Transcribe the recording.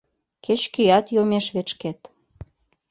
Кеч-кӧат йомеш вет шкет.